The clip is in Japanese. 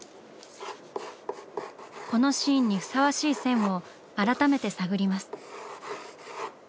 このシーンにふさわしい線を改めて探ります。